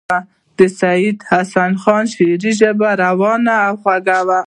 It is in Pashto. د سید حسن خان د شعر ژبه روانه او خوږه وه.